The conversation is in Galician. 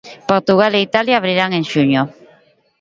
Portugal e Italia abriran en xuño.